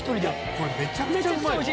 これめちゃくちゃうまい。